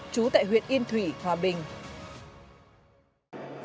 trú tại huyện yên thủy hòa bình